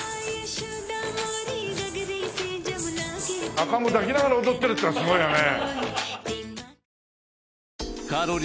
赤ん坊を抱きながら踊ってるっていうのがすごいよね。